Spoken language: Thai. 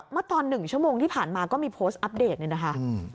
เมื่อตอน๑ชั่วโมงที่ผ่านมาก็มีโพสต์อัปเดตเนี่ยนะคะ